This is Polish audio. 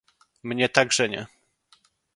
Mnie także nie